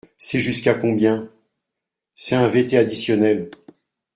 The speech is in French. C’est jusqu’à combien ? C’est un VT additionnel.